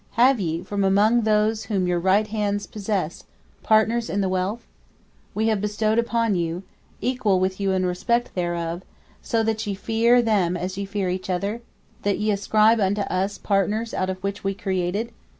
Have ye, from among those whom your right hands possess, partners in the wealth We have bestowed upon you, equal with you in respect thereof, so that ye fear them as ye fear each other (that ye ascribe unto Us partners out of that which We created)?